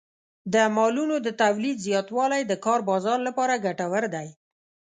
د مالونو د تولید زیاتوالی د کار بازار لپاره ګټور دی.